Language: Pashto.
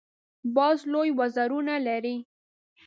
باز لوی وزرونه لري